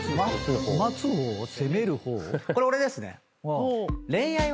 これ俺ですね。